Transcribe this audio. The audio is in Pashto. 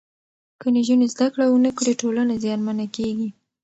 که نجونې زدهکړه ونکړي، ټولنه زیانمنه کېږي.